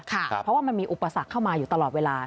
เพราะว่ามันมีอุปสรรคเข้ามาอยู่ตลอดเวลา